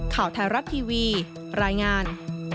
ข่าวไทยรัฐทีวีรายงาน